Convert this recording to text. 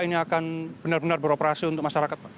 ini akan benar benar beroperasi untuk masyarakat pak